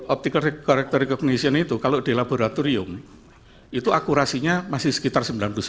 optical correctory cognition itu kalau di laboratorium itu akurasinya masih sekitar sembilan puluh sembilan